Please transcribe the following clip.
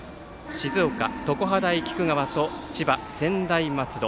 静岡・常葉大菊川と千葉・専大松戸。